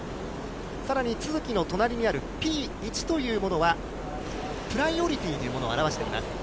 さらに都筑の隣にあるＰ１というものがプライオリティーというものを表しています。